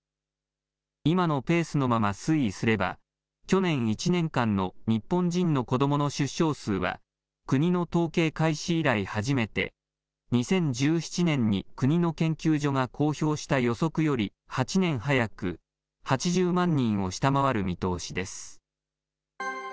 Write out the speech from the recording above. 今のペースのまま推移すれば、去年１年間の日本人の子どもの出生数は、国の統計開始以来初めて、２０１７年に国の研究所が公表した予測より８年早く８０万人を下回る見通しです。